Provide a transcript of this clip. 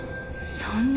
そんな。